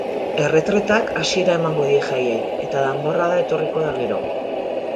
Erretretak hasiera emango die jaiei, eta danborrada etorriko da gero.